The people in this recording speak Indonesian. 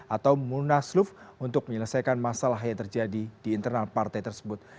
atau munaslup untuk menyelesaikan masalah yang terjadi di internal partai tersebut